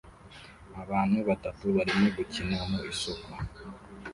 Abana batatu barimo gukina mu isoko